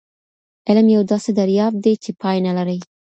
علم یو داسې دریاب دی چي پای نه لري.